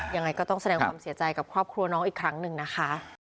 ยังไงก็ต้องแสดงความเสียใจกับครอบครัวน้องอีกครั้งหนึ่งนะคะ